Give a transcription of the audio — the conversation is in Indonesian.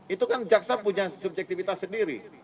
itu kan jaksa punya subjektivitas sendiri